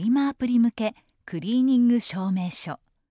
アプリ向けクリーニング証明書。